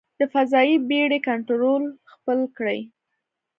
د فضايي بېړۍ کنټرول خپل کړي.